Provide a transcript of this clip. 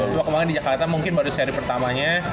cuma kemarin di jakarta mungkin baru seri pertamanya